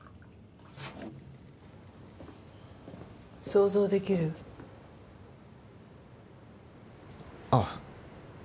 ・想像できる？あっ。